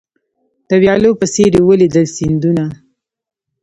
د ویالو په څېر یې ولیدل سیندونه